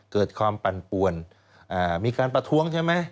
เกิดความปั่นป่วนมีการประท้วงใช่ไหม